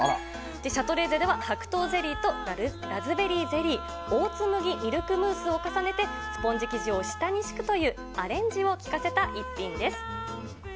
シャトレーゼでは、白桃ゼリーとラズベリーゼリー、オーツ麦ミルクムースを重ねて、スポンジ生地を下に敷くというアレンジを効かせた一品です。